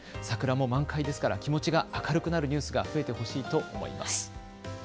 桜も満開ですから気持ちが明るくなるニュースが増えてほしいと思います。